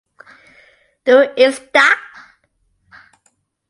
Du Iz Tak?